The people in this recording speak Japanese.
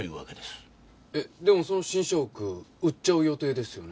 えっでもその新社屋売っちゃう予定ですよね？